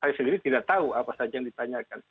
saya sendiri tidak tahu apa saja yang ditanyakan